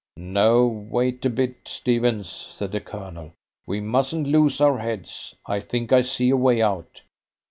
"No, wait a bit, Stephens!" said the Colonel. "We mustn't lose our heads. I think I see a way out.